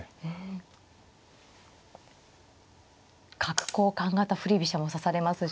角交換型振り飛車も指されますしね。